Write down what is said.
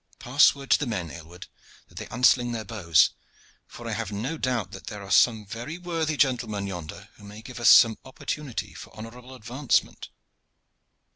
Pass word to the men, Aylward, that they unsling their bows, for I have no doubt that there are some very worthy gentlemen yonder who may give us some opportunity for honorable advancement."